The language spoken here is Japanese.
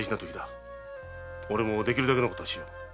おれもできるだけのことはしよう。